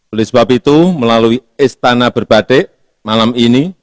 oleh sebab itu melalui istana berbatik malam ini